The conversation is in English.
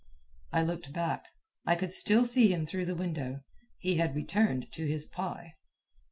I looked back. I could still see him through the window. He had returned to his pie.